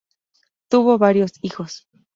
Tuvo varios hijos.